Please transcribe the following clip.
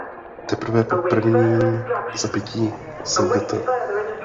Teprve po prvním zabití Sgt.